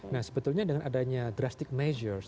nah sebetulnya dengan adanya drastic measures